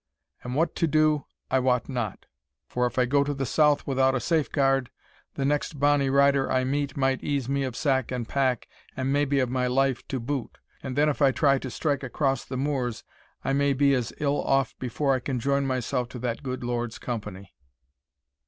And what to do I wot not; for if I go to the south without a safeguard, the next bonny rider I meet might ease me of sack and pack, and maybe of my life to boot; and then, if I try to strike across the moors, I may be as ill off before I can join myself to that good Lord's company."